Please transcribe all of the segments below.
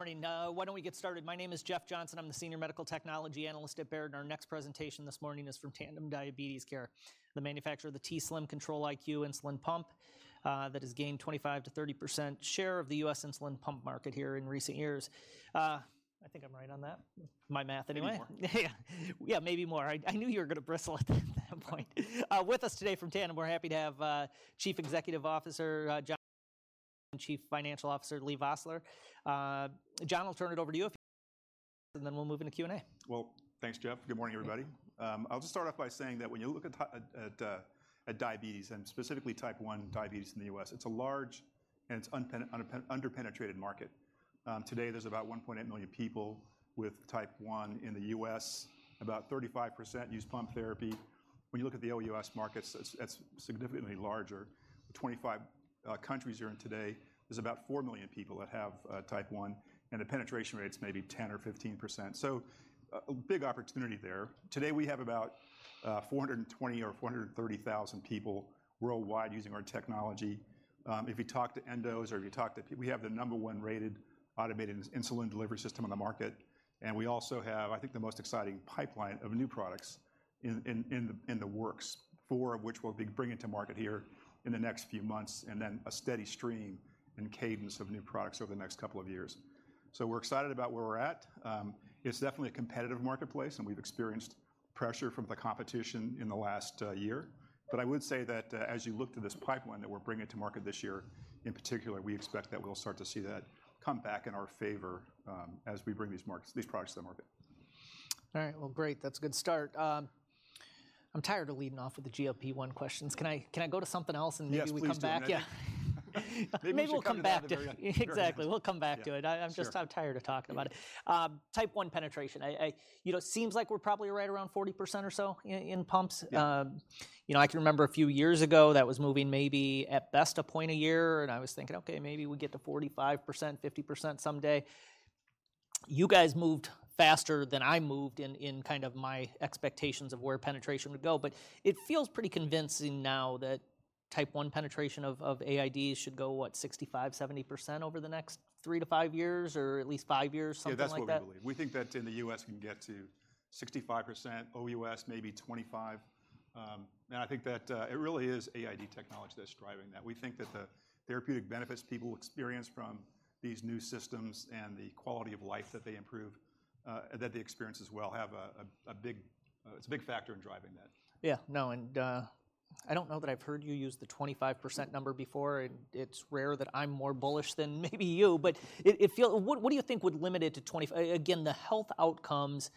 Morning. Why don't we get started? My name is Jeff Johnson. I'm the senior medical technology analyst at Baird, and our next presentation this morning is from Tandem Diabetes Care, the manufacturer of the t:slim Control-IQ insulin pump, that has gained 25%-30% share of the U.S. insulin pump market here in recent years. I think I'm right on that. My math anyway. Maybe more. Yeah. Yeah, maybe more. I knew you were gonna bristle at that point. With us today from Tandem, we're happy to have Chief Executive Officer John Sheridan and Chief Financial Officer Leigh Vosseller. John, I'll turn it over to you, and then we'll move into Q&A. Well, thanks, Jeff. Good morning, everybody. Yeah. I'll just start off by saying that when you look at diabetes, and specifically type one diabetes in the U.S., it's a large and it's underpenetrated market. Today there's about 1.8 million people with type one in the U.S. About 35% use pump therapy. When you look at the OUS markets, it's significantly larger. 25 countries you're in today, there's about 4 million people that have type one, and the penetration rate's maybe 10% or 15%. So, a big opportunity there. Today, we have about 420 or 430 thousand people worldwide using our technology. If you talk to endos or if you talk to pe-... We have the number one rated automated insulin delivery system on the market, and we also have, I think, the most exciting pipeline of new products in the works, four of which we'll be bringing to market here in the next few months, and then a steady stream and cadence of new products over the next couple of years. So we're excited about where we're at. It's definitely a competitive marketplace, and we've experienced pressure from the competition in the last year. But I would say that, as you look to this pipeline that we're bringing to market this year, in particular, we expect that we'll start to see that come back in our favor, as we bring these products to the market. All right. Well, great. That's a good start. I'm tired of leading off with the GLP-1 questions. Can I, can I go to something else, and maybe we come back? Yes, please do that. Yeah. They usually come to that. Maybe we'll come back to... Exactly. Sure. We'll come back to it. Yeah. I'm just- Sure... I'm tired of talking about it. Yeah. Type one penetration. You know, it seems like we're probably right around 40% or so in pumps. Yeah. You know, I can remember a few years ago, that was moving maybe, at best, a point a year, and I was thinking, "Okay, maybe we get to 45%, 50% someday." You guys moved faster than I moved in kind of my expectations of where penetration would go, but it feels pretty convincing now that type one penetration of AID should go, what, 65%-70% over the next three to five years, or at least five years, something like that? Yeah, that's what we believe. We think that in the U.S., it can get to 65%, OUS, maybe 25. I think that it really is AID technology that's driving that. We think that the therapeutic benefits people experience from these new systems and the quality of life that they improve, that they experience as well, have a big, it's a big factor in driving that. Yeah. No, and I don't know that I've heard you use the 25% number before. It's rare that I'm more bullish than maybe you, but it feels... What do you think would limit it to 25- again, the health outcomes,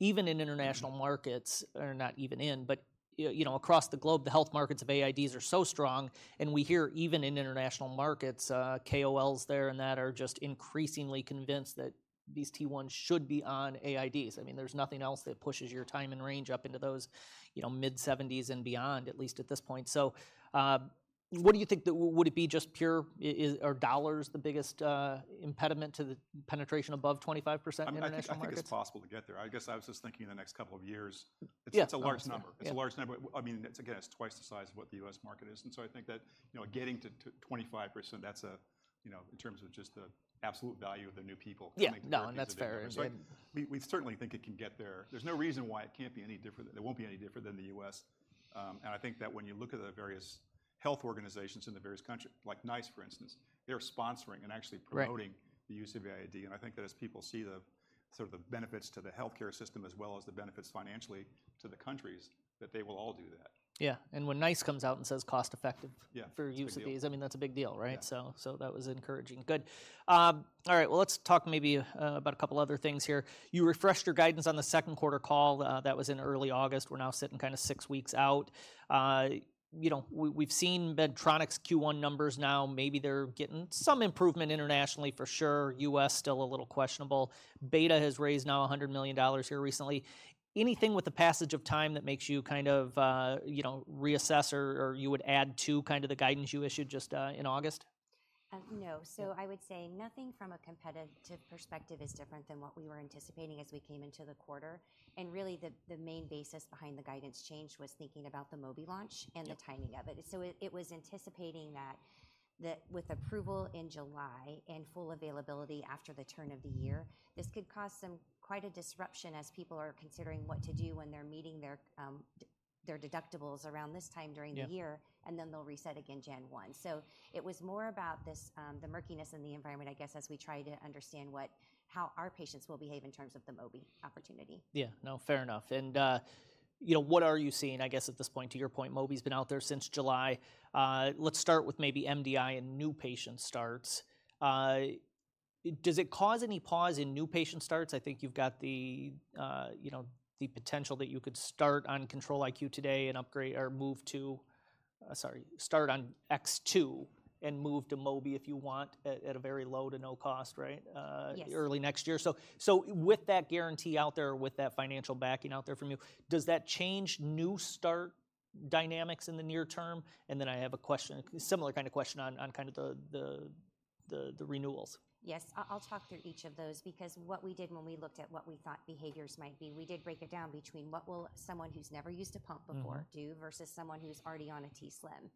even in international markets- Mm-hmm... or not even in, but you know, across the globe, the health markets of AIDs are so strong, and we hear even in international markets, KOLs there and that are just increasingly convinced that these T1s should be on AIDs. I mean, there's nothing else that pushes your Time in Range up into those, you know, mid-70s and beyond, at least at this point. So, what do you think that... Would it be just pure, are dollars the biggest impediment to the penetration above 25% in international markets? I mean, I think it's possible to get there. I guess I was just thinking in the next couple of years- Yeah. It's a large number. Yeah. It's a large number. I mean, it's again, it's twice the size of what the U.S. market is. And so I think that, you know, getting to 25%, that's a, you know, in terms of just the absolute value of the new people- Yeah... making the argument there. No, that's fair. Yeah. So we certainly think it can get there. There's no reason why it can't be any different. It won't be any different than the U.S. And I think that when you look at the various health organizations in the various countries, like NICE, for instance, they're sponsoring and actually promoting- Right... the use of AID, and I think that as people see the sort of benefits to the healthcare system, as well as the benefits financially to the countries, that they will all do that. Yeah. And when NICE comes out and says, "Cost-effective- Yeah... "for use of these,"- It's a deal.... I mean, that's a big deal, right? Yeah. So, so that was encouraging. Good. All right, well, let's talk maybe about a couple of other things here. You refreshed your guidance on the second quarter call, that was in early August. We're now sitting kind of six weeks out. You know, we've seen Medtronic's Q1 numbers now. Maybe they're getting some improvement internationally, for sure, U.S., still a little questionable. Beta has raised now $100 million here recently. Anything with the passage of time that makes you kind of, you know, reassess, or you would add to kind of the guidance you issued just in August? No. So I would say nothing from a competitive perspective is different than what we were anticipating as we came into the quarter. And really, the main basis behind the guidance change was thinking about the Mobi launch- Yep... and the timing of it. So it was anticipating that with approval in July and full availability after the turn of the year, this could cause some quite a disruption as people are considering what to do when they're meeting their deductibles around this time during the year- Yeah... and then they'll reset again January 1. So it was more about this, the murkiness in the environment, I guess, as we try to understand what, how our patients will behave in terms of the Mobi opportunity. Yeah. No, fair enough. And, you know, what are you seeing, I guess, at this point, to your point? Mobi's been out there since July. Let's start with maybe MDI and new patient starts. Does it cause any pause in new patient starts? I think you've got the, you know, the potential that you could start on Control-IQ today and upgrade or move to, sorry, start on X2 and move to Mobi if you want, at, at a very low to no cost, right? Yes. Early next year. So, with that guarantee out there, with that financial backing out there from you, does that change new start dynamics in the near term? And then I have a question, similar kind of question on kind of the renewals? Yes, I'll talk through each of those, because what we did when we looked at what we thought behaviours might be, we did break it down between what will someone who's never used a pump before- Mm-hmm -do versus someone who's already on a t:slim.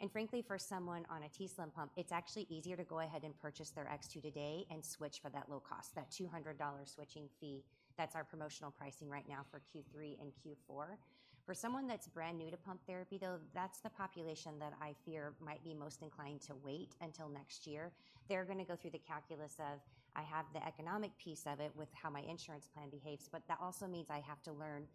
And frankly, for someone on a t:slim pump, it's actually easier to go ahead and purchase their X2 today and switch for that low cost, that $200 switching fee. That's our promotional pricing right now for Q3 and Q4. For someone that's brand new to pump therapy, though, that's the population that I fear might be most inclined to wait until next year. They're gonna go through the calculus of, "I have the economic piece of it with how my insurance plan behaves, but that also means I have to learn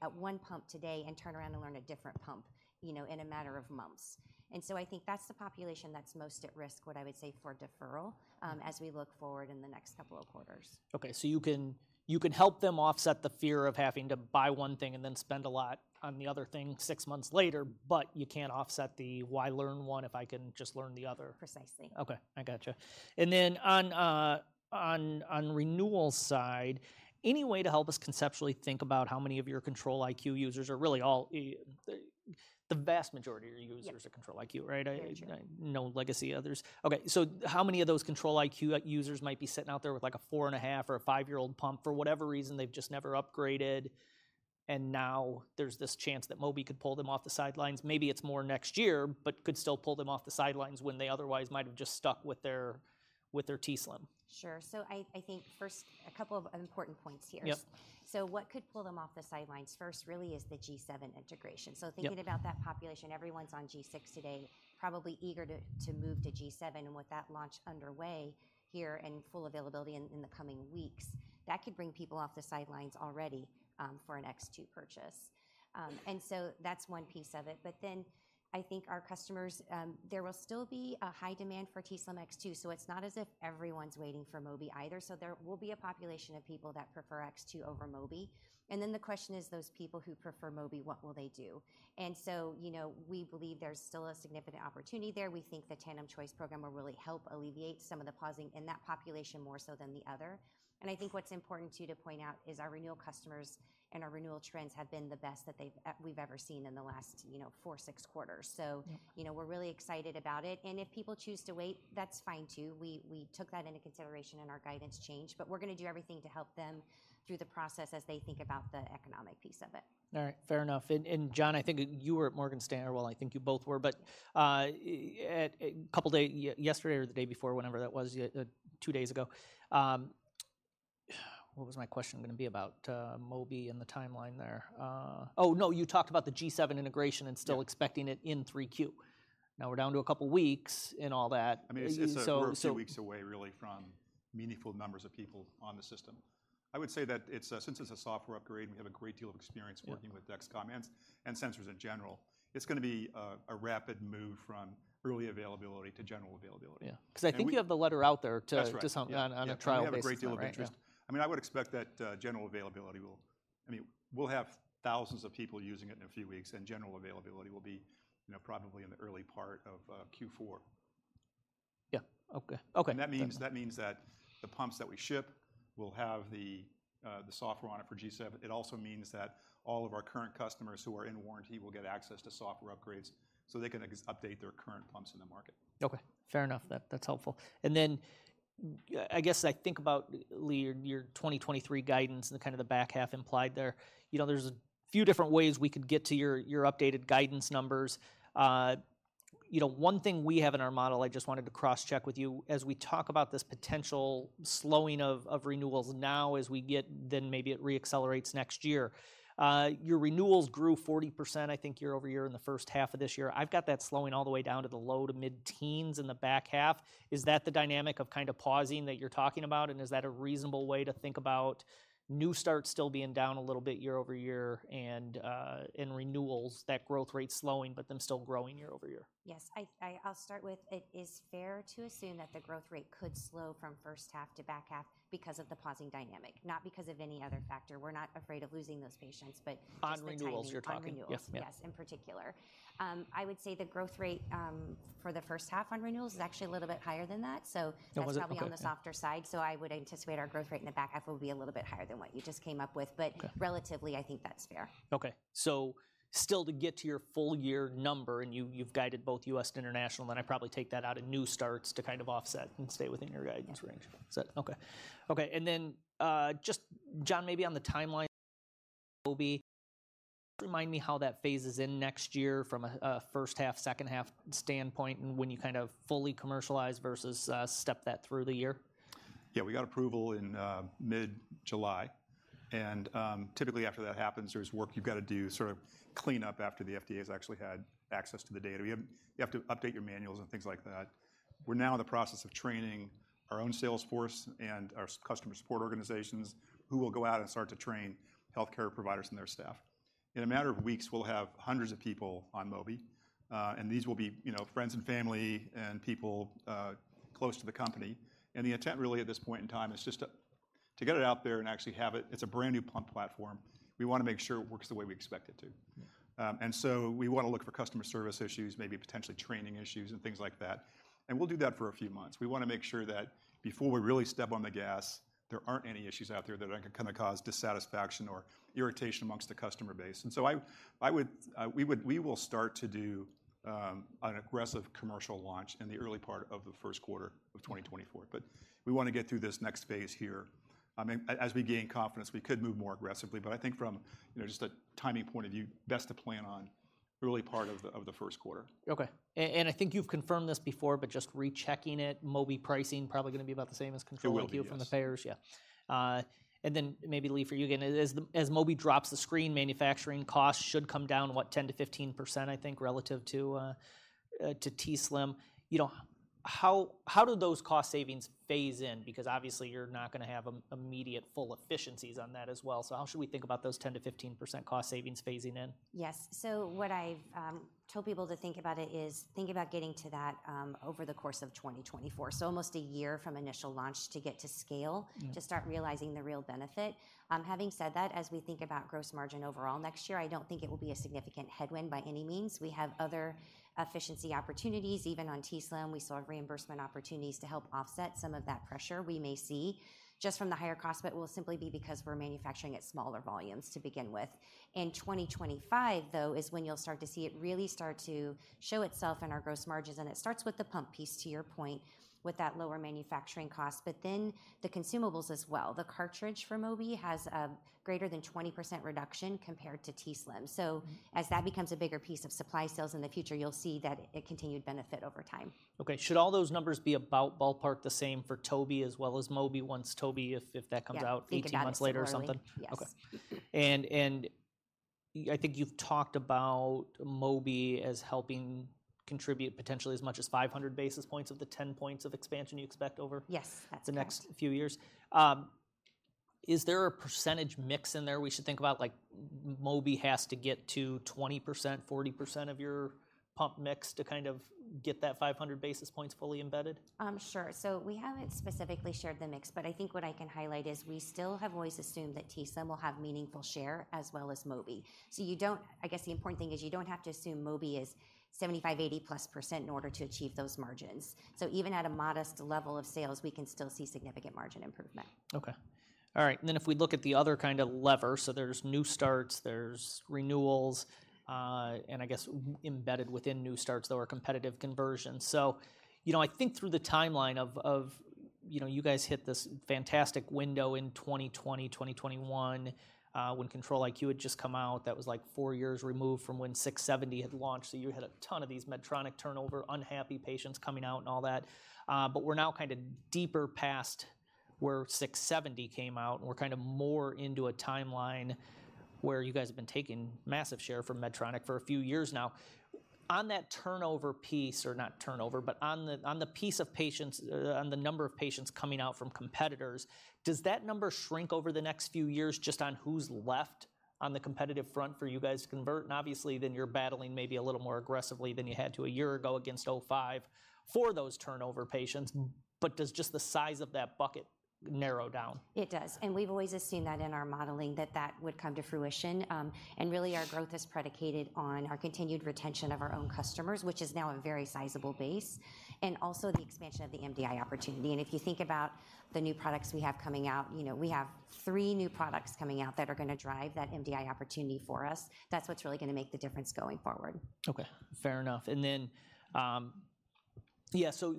a one pump today and turn around and learn a different pump, you know, in a matter of months." And so I think that's the population that's most at risk, what I would say, for deferral, as we look forward in the next couple of quarters. Okay, so you can, you can help them offset the fear of having to buy one thing and then spend a lot on the other thing six months later, but you can't offset the why learn one if I can just learn the other? Precisely. Okay, I gotcha. And then on renewal side, any way to help us conceptually think about how many of your Control-IQ users or really all, the vast majority of your users- Yeah... are Control-IQ, right? Very true. I know legacy others. Okay, so how many of those Control-IQ users might be sitting out there with, like, a 4.5- or 5-year-old pump? For whatever reason, they've just never upgraded, and now there's this chance that Mobi could pull them off the sidelines. Maybe it's more next year, but could still pull them off the sidelines when they otherwise might have just stuck with their, with their t:slim. Sure. So I think first, a couple of important points here. Yep. What could pull them off the sidelines first really is the G7 integration. Yep. So thinking about that population, everyone's on G6 today, probably eager to move to G7. And with that launch underway here and full availability in the coming weeks, that could bring people off the sidelines already for an X2 purchase. And so that's one piece of it. But then, I think our customers, there will still be a high demand for t:slim X2, so it's not as if everyone's waiting for Mobi either. So there will be a population of people that prefer X2 over Mobi, and then the question is, those people who prefer Mobi, what will they do? And so, you know, we believe there's still a significant opportunity there. We think the Tandem Choice program will really help alleviate some of the pausing in that population more so than the other. I think what's important, too, to point out is our renewal customers and our renewal trends have been the best that we've ever seen in the last, you know, 4-6 quarters. So- Yeah... you know, we're really excited about it. If people choose to wait, that's fine, too. We took that into consideration in our guidance change, but we're gonna do everything to help them through the process as they think about the economic piece of it. All right. Fair enough. John, I think you were at Morgan Stanley. Well, I think you both were, but at a couple days ago, yesterday or the day before, whenever that was, two days ago. What was my question gonna be about Mobi and the timeline there? Oh, no, you talked about the G7 integration- Yeah... and still expecting it in 3Q. Now we're down to a couple weeks and all that. I mean, it's a- So, so-... we're a few weeks away really from meaningful numbers of people on the system. I would say that it's, since it's a software upgrade, and we have a great deal of experience- Yeah... working with Dexcom and sensors in general, it's gonna be a rapid move from early availability to general availability. Yeah. And we- 'Cause I think you have the letter out there to- That's right... to some on a trial basis. Yeah, and we have a great deal of interest. Yeah. I mean, I would expect that general availability will... I mean, we'll have thousands of people using it in a few weeks, and general availability will be, you know, probably in the early part of Q4. Yeah. Okay, okay. That means, that means that the pumps that we ship will have the software on it for G7. It also means that all of our current customers who are in warranty will get access to software upgrades, so they can update their current pumps in the market. Okay, fair enough. That's helpful. And then, I guess I think about your 2023 guidance and the kind of the back half implied there. You know, there's a few different ways we could get to your updated guidance numbers. You know, one thing we have in our model, I just wanted to cross-check with you, as we talk about this potential slowing of renewals now, as we get, then maybe it re-accelerates next year. Your renewals grew 40%, I think, year-over-year in the first half of this year. I've got that slowing all the way down to the low- to mid-teens in the back half. Is that the dynamic of kind of pausing that you're talking about, and is that a reasonable way to think about new starts still being down a little bit year over year and, in renewals, that growth rate slowing, but then still growing year over year? Yes. I'll start with, it is fair to assume that the growth rate could slow from first half to back half because of the pausing dynamic, not because of any other factor. We're not afraid of losing those patients, but just the timing- On renewals, you're talking? On renewals. Yes. Yeah. Yes, in particular. I would say the growth rate, for the first half on renewals is actually a little bit higher than that, so- That was okay, yeah.... that's probably on the softer side, so I would anticipate our growth rate in the back half will be a little bit higher than what you just came up with. Yeah. But relatively, I think that's fair. Okay. So still to get to your full year number, and you, you've guided both U.S. and international, then I probably take that out in new starts to kind of offset and stay within your guidance range. That's right. Okay. Okay, and then, just, John, maybe on the timeline with Mobi, just remind me how that phases in next year from a first half, second half standpoint, and when you kind of fully commercialize versus step that through the year? Yeah, we got approval in mid-July, and typically, after that happens, there's work you've got to do, sort of clean up after the FDA has actually had access to the data. You have to update your manuals and things like that. We're now in the process of training our own sales force and our customer support organizations, who will go out and start to train healthcare providers and their staff. In a matter of weeks, we'll have hundreds of people on Mobi, and these will be, you know, friends and family and people close to the company. And the intent, really, at this point in time is just to get it out there and actually have it. It's a brand-new pump platform. We wanna make sure it works the way we expect it to. And so we wanna look for customer service issues, maybe potentially training issues, and things like that, and we'll do that for a few months. We wanna make sure that before we really step on the gas, there aren't any issues out there that could kinda cause dissatisfaction or irritation amongst the customer base. And so we will start to do an aggressive commercial launch in the early part of the first quarter of 2024, but we wanna get through this next phase here. I mean, as we gain confidence, we could move more aggressively, but I think from, you know, just a timing point of view, that's the plan on early part of the first quarter. Okay. And I think you've confirmed this before, but just rechecking it, Mobi pricing probably gonna be about the same as Control-IQ- It will be, yes. From the payers. Yeah. And then maybe Lee, for you again, as Mobi drops the screen, manufacturing costs should come down, what? 10%-15%, I think, relative to t:slim. You know, how do those cost savings phase in? Because obviously you're not gonna have immediate full efficiencies on that as well. So how should we think about those 10%-15% cost savings phasing in? Yes. So what I've told people to think about it is, think about getting to that over the course of 2024. So almost a year from initial launch to get to scale- Mm. To start realizing the real benefit. Having said that, as we think about gross margin overall next year, I don't think it will be a significant headwind by any means. We have other efficiency opportunities, even on t:slim, we saw reimbursement opportunities to help offset some of that pressure we may see just from the higher cost, but it will simply be because we're manufacturing at smaller volumes to begin with. In 2025, though, is when you'll start to see it really start to show itself in our gross margins, and it starts with the pump piece, to your point, with that lower manufacturing cost, but then the consumables as well. The cartridge for Mobi has a greater than 20% reduction compared to t:slim. As that becomes a bigger piece of supply sales in the future, you'll see that it continued benefit over time. Okay. Should all those numbers be about ballpark the same for Sigi as well as Mobi once Sigi, if that comes out- Yeah... 18 months later or something? Think about it similarly. Yes. Okay. And I think you've talked about Mobi as helping contribute potentially as much as 500 basis points of the 10 points of expansion you expect over- Yes, that's correct.... the next few years. Is there a percentage mix in there we should think about, like, Mobi has to get to 20%, 40% of your pump mix to kind of get that 500 basis points fully embedded? Sure. So we haven't specifically shared the mix, but I think what I can highlight is we still have always assumed that t:slim will have meaningful share as well as Mobi. So you don't. I guess the important thing is you don't have to assume Mobi is 75%-80+% in order to achieve those margins. So even at a modest level of sales, we can still see significant margin improvement. Okay. All right, and then if we look at the other kind of lever, so there's new starts, there's renewals, and I guess embedded within new starts, there were competitive conversions. So, you know, I think through the timeline of. You know, you guys hit this fantastic window in 2020, 2021, when Control-IQ had just come out. That was, like, four years removed from when 670 had launched, so you had a ton of these Medtronic turnover, unhappy patients coming out and all that. But we're now kind of deeper past where 670 came out, and we're kind of more into a timeline where you guys have been taking massive share from Medtronic for a few years now. On that turnover piece, or not turnover, but on the piece of patients, on the number of patients coming out from competitors, does that number shrink over the next few years just on who's left on the competitive front for you guys to convert? And obviously, then you're battling maybe a little more aggressively than you had to a year ago against Omnipod 5 for those turnover patients. But does just the size of that bucket narrow down? It does, and we've always assumed that in our modeling, that that would come to fruition. And really, our growth is predicated on our continued retention of our own customers, which is now a very sizable base, and also the expansion of the MDI opportunity. And if you think about the new products we have coming out, you know, we have three new products coming out that are gonna drive that MDI opportunity for us. That's what's really gonna make the difference going forward. Okay, fair enough. And then, yeah, so,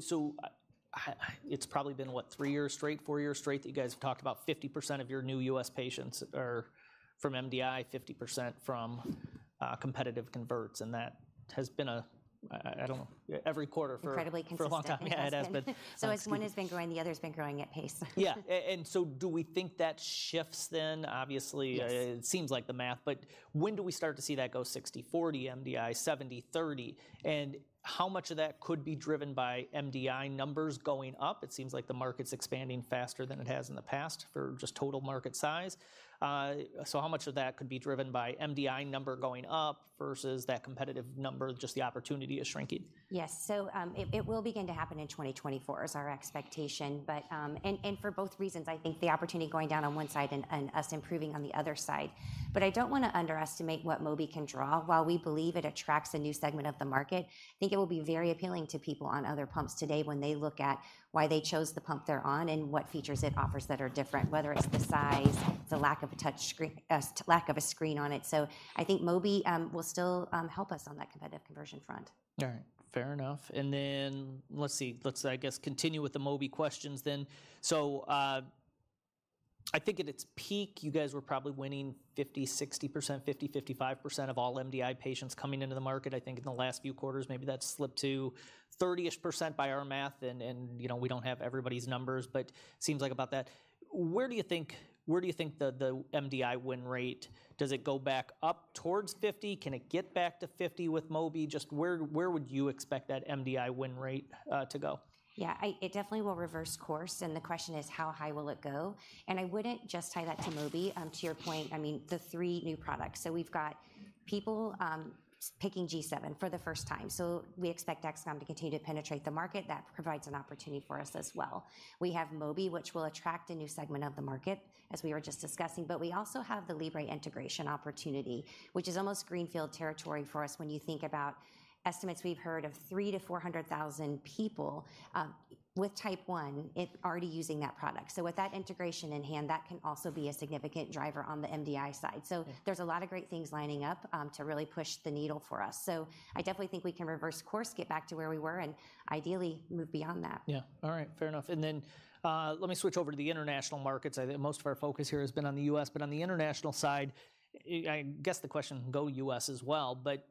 it's probably been, what? three years straight, four years straight, that you guys have talked about 50% of your new U.S. patients are from MDI, 50% from competitive converts, and that has been a, I don't know, every quarter for- Incredibly consistent... for a long time. Yeah, it has been. As one has been growing, the other's been growing at pace. Yeah. And so do we think that shifts then? Obviously- Yes It seems like the math, but when do we start to see that go 60/40 MDI, 70/30? And how much of that could be driven by MDI numbers going up? It seems like the market's expanding faster than it has in the past for just total market size. So how much of that could be driven by MDI number going up versus that competitive number, just the opportunity is shrinking? Yes. So, it will begin to happen in 2024 is our expectation, but... And, for both reasons, I think the opportunity going down on one side and us improving on the other side, but I don't wanna underestimate what Mobi can draw. While we believe it attracts a new segment of the market, I think it will be very appealing to people on other pumps today when they look at why they chose the pump they're on and what features it offers that are different, whether it's the size, the lack of a touch screen, lack of a screen on it. So I think Mobi will still help us on that competitive conversion front. All right. Fair enough. And then, let's see. Let's, I guess, continue with the Mobi questions then. So, I think at its peak, you guys were probably winning 50, 60%, 50, 55% of all MDI patients coming into the market. I think in the last few quarters, maybe that's slipped to 30-ish% by our math, and, and, you know, we don't have everybody's numbers, but seems like about that. Where do you think, where do you think the, the MDI win rate, does it go back up towards 50? Can it get back to 50 with Mobi? Just where, where would you expect that MDI win rate to go? Yeah, it definitely will reverse course, and the question is, how high will it go? And I wouldn't just tie that to Mobi. To your point, I mean, the three new products. So we've got people picking G7 for the first time, so we expect Dexcom to continue to penetrate the market. That provides an opportunity for us as well. We have Mobi, which will attract a new segment of the market, as we were just discussing, but we also have the Libre integration opportunity, which is almost greenfield territory for us when you think about estimates we've heard of 300,000-400,000 people with Type one already using that product. So with that integration in hand, that can also be a significant driver on the MDI side. So there's a lot of great things lining up, to really push the needle for us. So I definitely think we can reverse course, get back to where we were, and ideally, move beyond that. Yeah. All right. Fair enough. And then, let me switch over to the international markets. I think most of our focus here has been on the U.S., but on the international side, I guess the question goes U.S. as well, but,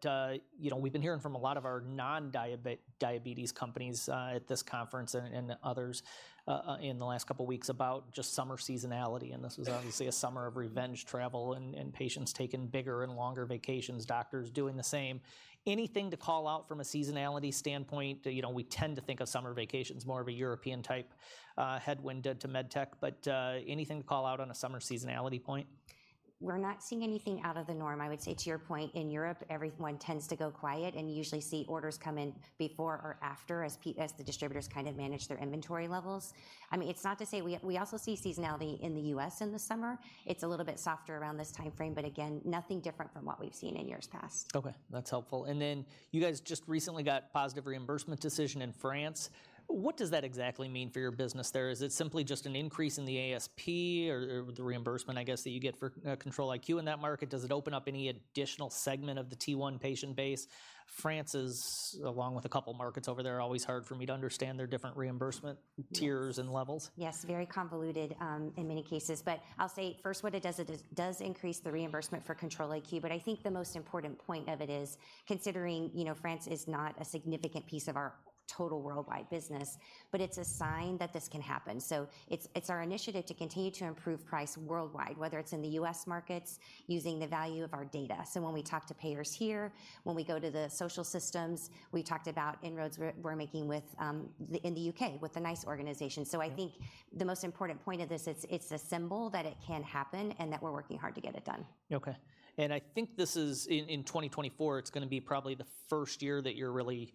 you know, we've been hearing from a lot of our non-diabetes companies at this conference and others in the last couple weeks about just summer seasonality, and this was obviously- Yeah... a summer of revenge travel and patients taking bigger and longer vacations, doctors doing the same. Anything to call out from a seasonality standpoint? You know, we tend to think of summer vacations more of a European-type headwind to med tech, but anything to call out on a summer seasonality point? We're not seeing anything out of the norm. I would say, to your point, in Europe, everyone tends to go quiet, and you usually see orders come in before or after, as the distributors kind of manage their inventory levels. I mean, it's not to say we also see seasonality in the U.S. in the summer. It's a little bit softer around this timeframe, but again, nothing different from what we've seen in years past. Okay, that's helpful. And then you guys just recently got positive reimbursement decision in France. What does that exactly mean for your business there? Is it simply just an increase in the ASP or, or the reimbursement, I guess, that you get for Control-IQ in that market? Does it open up any additional segment of the T1 patient base? France is, along with a couple markets over there, are always hard for me to understand their different reimbursement tiers and levels. Yes, very convoluted in many cases, but I'll say first, what it does is it does increase the reimbursement for Control-IQ, but I think the most important point of it is considering you know, France is not a significant piece of our total worldwide business, but it's a sign that this can happen. So it's our initiative to continue to improve price worldwide, whether it's in the U.S. markets, using the value of our data. So when we talk to payers here, when we go to the social systems, we talked about inroads we're, we're making with in the U.K. with the NICE organization. Yeah. I think the most important point of this is, it's a symbol that it can happen and that we're working hard to get it done. Okay. I think this is in 2024, it's gonna be probably the first year that you're really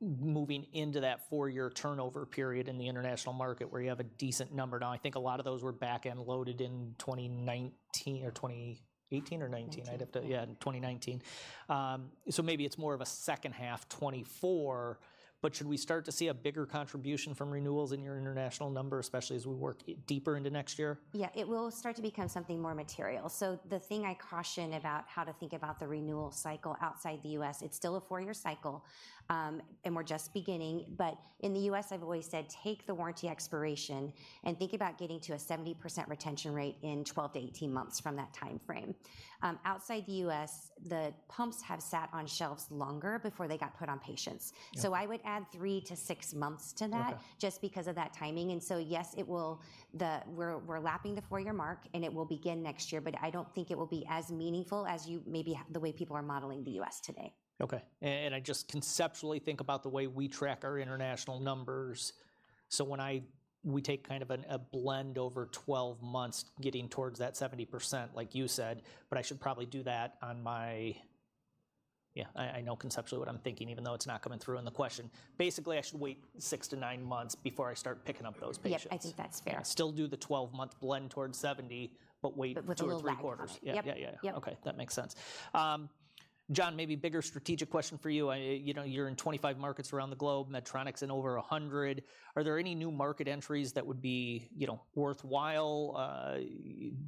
moving into that four-year turnover period in the international market, where you have a decent number. Now, I think a lot of those were back-end loaded in 2019 or 2018 or 2019. '19. I'd have to... Yeah, 2019. So maybe it's more of a second half 2024, but should we start to see a bigger contribution from renewals in your international number, especially as we work deeper into next year? Yeah, it will start to become something more material. So the thing I caution about how to think about the renewal cycle outside the U.S., it's still a four-year cycle, and we're just beginning, but in the U.S., I've always said, "Take the warranty expiration and think about getting to a 70% retention rate in 12-18 months from that timeframe." Outside the U.S., the pumps have sat on shelves longer before they got put on patients. Yeah. I would add three to six months to that- Okay... just because of that timing, and so, yes, it will, we're lapping the four-year mark, and it will begin next year, but I don't think it will be as meaningful as you maybe have, the way people are modeling the U.S. today. Okay. I just conceptually think about the way we track our international numbers. So when we take kind of a blend over 12 months, getting towards that 70%, like you said, but I should probably do that on my... Yeah, I know conceptually what I'm thinking, even though it's not coming through in the question. Basically, I should wait six to nine months before I start picking up those patients. Yep, I think that's fair. Still do the 12-month blend towards 70, but wait- With a little lag, gotcha.... two or three quarters. Yep. Yeah, yeah, yeah. Yep. Okay, that makes sense. John, maybe bigger strategic question for you. I, you know, you're in 25 markets around the globe, Medtronic's in over 100. Are there any new market entries that would be, you know, worthwhile,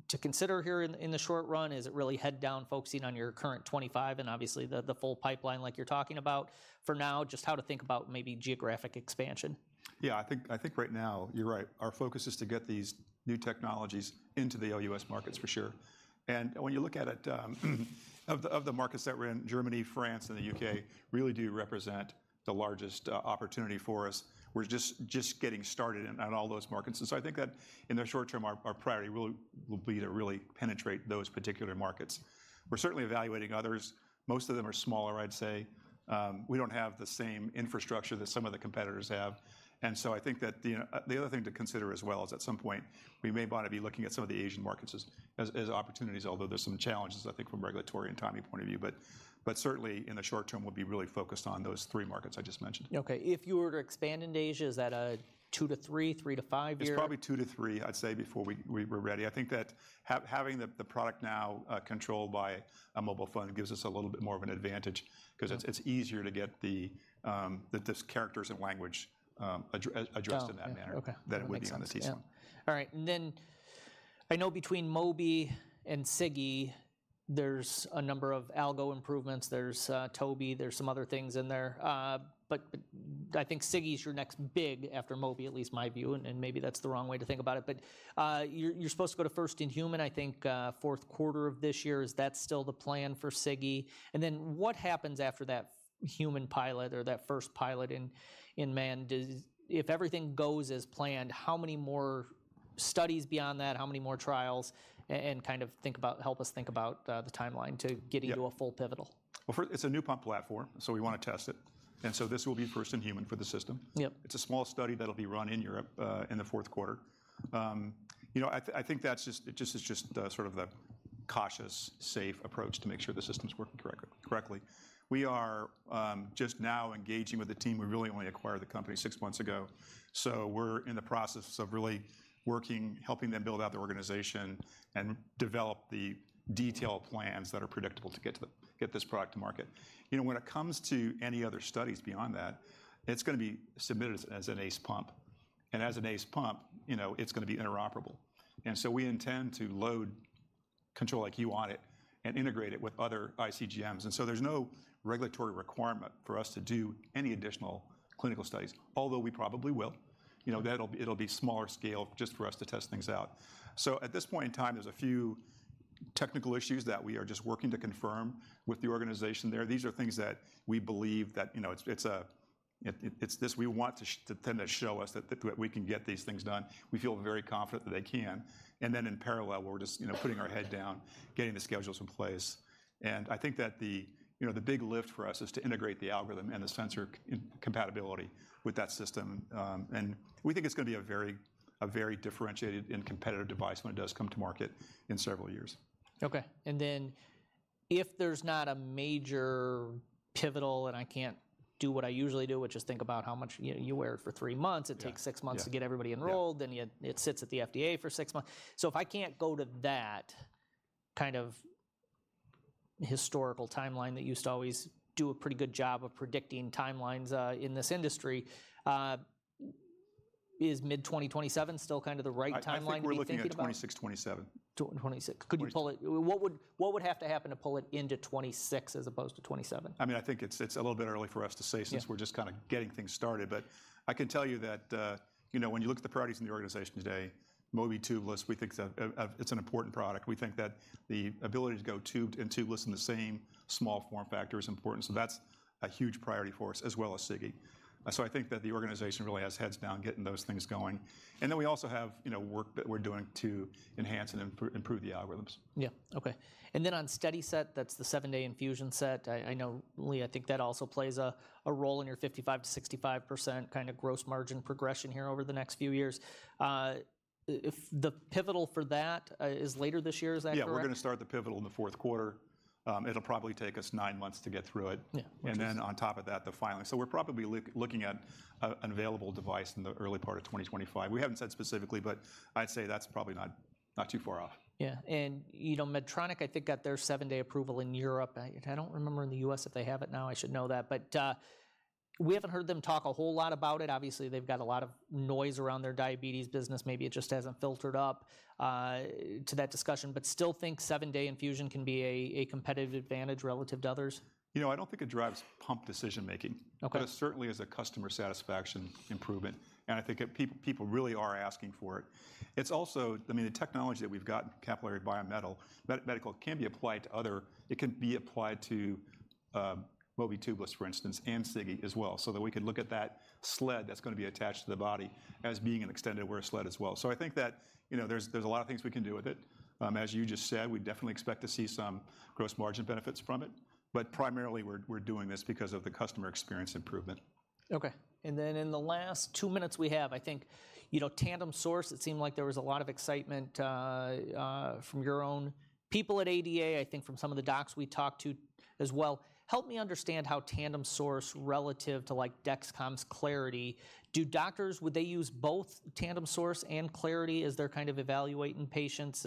to consider here in the short run? Is it really head down, focusing on your current 25 and obviously, the full pipeline like you're talking about? For now, just how to think about maybe geographic expansion. Yeah, I think, I think right now, you're right. Our focus is to get these new technologies into the OUS markets for sure. When you look at it, of the markets that we're in, Germany, France, and the UK really do represent the largest opportunity for us. We're just getting started on all those markets, and so I think that in the short term, our priority really will be to really penetrate those particular markets. We're certainly evaluating others. Most of them are smaller, I'd say. We don't have the same infrastructure that some of the competitors have, and so I think that the other thing to consider as well is at some point, we may want to be looking at some of the Asian markets as opportunities, although there's some challenges, I think, from regulatory and timing point of view. But certainly, in the short term, we'll be really focused on those three markets I just mentioned. Okay. If you were to expand into Asia, is that a two to three, three to five year? It's probably two to three, I'd say, before we were ready. I think that having the product now controlled by a mobile phone gives us a little bit more of an advantage 'cause it's- Yeah... it's easier to get the characters and language addressed- Oh, yeah... in that manner- Okay... than it would be on the t:slim Yeah. All right, and then I know between Mobi and Sigi, there's a number of algo improvements, there's Toby, there's some other things in there. But I think Sigi is your next big after Mobi, at least my view, and maybe that's the wrong way to think about it. But you're supposed to go to first in human, I think, fourth quarter of this year. Is that still the plan for Sigi? And then what happens after that human pilot or that first pilot in man? If everything goes as planned, how many more studies beyond that, how many more trials, and kind of think about—help us think about the timeline to getting- Yeah... to a full pivotal? Well, first, it's a new pump platform, so we wanna test it, and so this will be first in human for the system. Yep. It's a small study that'll be run in Europe in the fourth quarter. You know, I think that's just it just is sort of the cautious, safe approach to make sure the system's working correctly. We are just now engaging with the team. We really only acquired the company six months ago, so we're in the process of really working, helping them build out the organization and develop the detailed plans that are predictable to get this product to market. You know, when it comes to any other studies beyond that, it's gonna be submitted as an AID pump. As an AID pump, you know, it's gonna be interoperable. And so we intend to load Control-IQ on it and integrate it with other iCGMs. There's no regulatory requirement for us to do any additional clinical studies, although we probably will. You know, that'll be smaller scale just for us to test things out. At this point in time, there's a few technical issues that we are just working to confirm with the organization there. These are things that we believe that, you know, it's this. We want them to show us that we can get these things done. We feel very confident that they can. In parallel, we're just, you know, putting our head down, getting the schedules in place. I think that the, you know, the big lift for us is to integrate the algorithm and the sensor compatibility with that system. we think it's gonna be a very, a very differentiated and competitive device when it does come to market in several years. Okay. And then if there's not a major pivotal, and I can't do what I usually do, which is think about how much, you know, you wear it for three months- Yeah. It takes six months. Yeah... to get everybody enrolled- Yeah... then yet it sits at the FDA for six months. So if I can't go to that kind of historical timeline that used to always do a pretty good job of predicting timelines, in this industry, is mid 2027 still kind of the right timeline to be thinking about? I think we're looking at 26, 27. Twenty-twenty-six. Twenty- Could you pull it... What would have to happen to pull it into 2026 as opposed to 2027? I mean, I think it's, it's a little bit early for us to say- Yeah... since we're just kind of getting things started. But I can tell you that, you know, when you look at the priorities in the organization today, Mobi tubeless, we think that it's an important product. We think that the ability to go tubed and tubeless in the same small form factor is important, so that's a huge priority for us, as well as Sigi. So I think that the organization really has heads down, getting those things going. And then we also have, you know, work that we're doing to enhance and improve the algorithms. Yeah. Okay. And then on SteadiSet, that's the 7-day infusion set. I know, Leigh, I think that also plays a role in your 55%-65% kind of gross margin progression here over the next few years. If the pivotal for that is later this year, is that correct? Yeah. We're gonna start the pivotal in the fourth quarter. It'll probably take us nine months to get through it. Yeah, which is- And then on top of that, the filing. So we're probably looking at an available device in the early part of 2025. We haven't said specifically, but I'd say that's probably not too far off. Yeah. And, you know, Medtronic, I think, got their seven-day approval in Europe. I don't remember in the U.S. if they have it now. I should know that. But we haven't heard them talk a whole lot about it. Obviously, they've got a lot of noise around their diabetes business. Maybe it just hasn't filtered up to that discussion. But still think seven-day infusion can be a competitive advantage relative to others? You know, I don't think it drives pump decision-making. Okay... but it certainly is a customer satisfaction improvement, and I think it—people, people really are asking for it. It's also... I mean, the technology that we've got in Capillary Biomedical can be applied to other—it can be applied to Mobi tubeless, for instance, and Sigi as well, so that we can look at that set that's gonna be attached to the body as being an extended wear set as well. So I think that, you know, there's, there's a lot of things we can do with it. As you just said, we definitely expect to see some gross margin benefits from it, but primarily, we're, we're doing this because of the customer experience improvement. Okay. And then in the last two minutes we have, I think, you know, Tandem Source, it seemed like there was a lot of excitement from your own people at ADA, I think from some of the docs we talked to as well. Help me understand how Tandem Source relative to, like, Dexcom's Clarity. Do doctors, would they use both Tandem Source and Clarity as they're kind of evaluating patients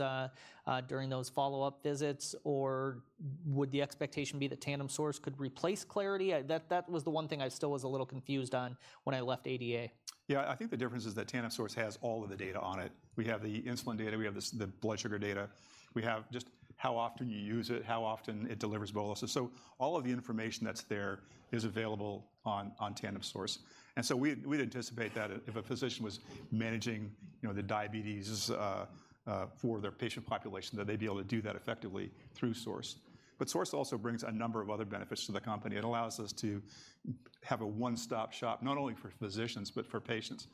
during those follow-up visits? Or would the expectation be that Tandem Source could replace Clarity? That, that was the one thing I still was a little confused on when I left ADA. Yeah. I think the difference is that Tandem Source has all of the data on it. We have the insulin data, we have the blood sugar data, we have just how often you use it, how often it delivers boluses. So all of the information that's there is available on Tandem Source. And so we'd anticipate that if a physician was managing, you know, the diabetes for their patient population, that they'd be able to do that effectively through Source. But Source also brings a number of other benefits to the company. It allows us to have a one-stop shop, not only for physicians, but for patients.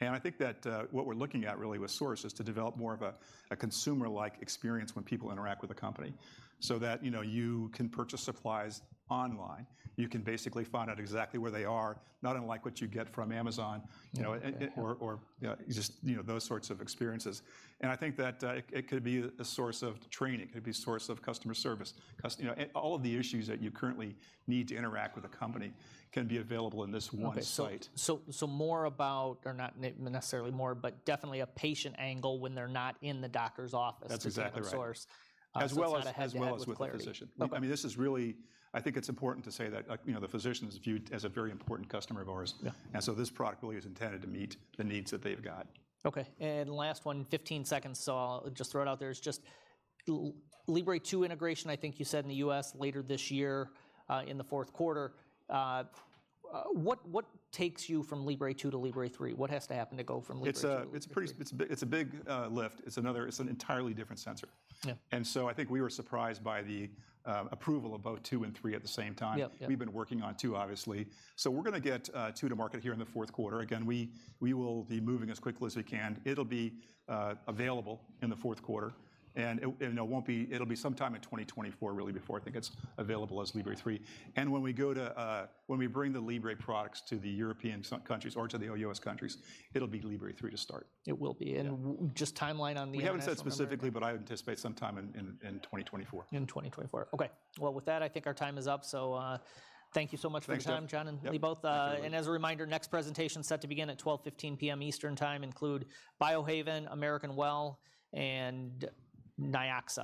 And I think that what we're looking at really with Source is to develop more of a consumer-like experience when people interact with the company. So that, you know, you can purchase supplies online, you can basically find out exactly where they are, not unlike what you get from Amazon- Yeah... you know, and or just, you know, those sorts of experiences. I think that it could be a source of training, it could be a source of customer service, you know, and all of the issues that you currently need to interact with a company can be available in this one site. Okay, so more about, or not necessarily more, but definitely a patient angle when they're not in the doctor's office- That's exactly right. - with Tandem Source. As well as- Sort of ahead that- As well as with the physician.... Okay. I mean, this is really... I think it's important to say that, like, you know, the physician is viewed as a very important customer of ours. Yeah. This product really is intended to meet the needs that they've got. Okay, and last one, 15 seconds, so I'll just throw it out there as just Libre 2 integration, I think you said in the U.S. later this year, in the fourth quarter. What takes you from Libre 2 to Libre three? What has to happen to go from Libre 2 to Libre 3? It's a big lift. It's another, it's an entirely different sensor. Yeah. And so I think we were surprised by the approval of both two and three at the same time. Yep, yep. We've been working on two, obviously. So we're gonna get two to market here in the fourth quarter. Again, we, we will be moving as quickly as we can. It'll be available in the fourth quarter, and it, and it won't be, it'll be sometime in 2024, really, before I think it's available as Libre three. And when we go to, when we bring the Libre products to the European some countries or to the OUS countries, it'll be Libre three to start. It will be. Yeah. Just timeline on the international- We haven't said specifically, but I would anticipate sometime in 2024. In 2024. Okay. Well, with that, I think our time is up, so, thank you so much for your time. Thanks, Jeff... John and Leigh, both. Yep. Thank you. As a reminder, next presentation is set to begin at 12:15 P.M. Eastern Time, include Biohaven, American Well, and Nyxoah.